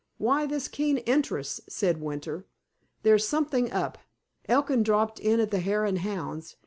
Why this keen interest?" said Winter. "There's something up. Elkin dropped in at the Hare and Hounds.